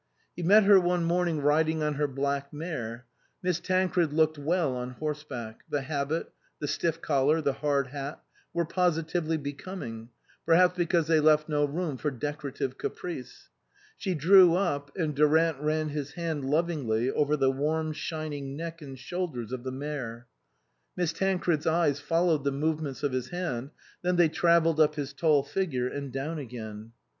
He met her one morning riding on her black mare. Miss Tancred looked well on horseback ; the habit, the stiff collar, the hard hat, were positively becoming, perhaps because they left no room for decorative caprice. She drew up, and Durant ran his hand lovingly over the warm shining neck and shoulders of the mare. Miss Tancred's eyes followed the movements of his hand, then they travelled up his tall figure and down again.